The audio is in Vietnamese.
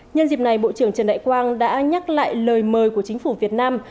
nhân dịp này bộ trưởng trần đại quang đã nhắc lại lời mời của chính phủ việt nam